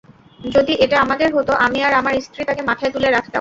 যদি এটা আমাদের হত, আমি আর আমার স্ত্রী তাকে মাথায় তুলে রাখতাম।